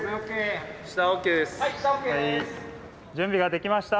準備ができました。